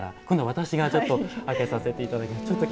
今度は私がちょっと開けさせていただきます。